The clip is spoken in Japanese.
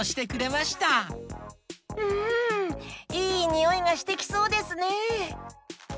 うんいいにおいがしてきそうですね！